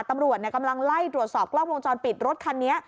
ตำรวจกำลังไล่ตรวจสอบกล้องวงจรปิดรถคันนี้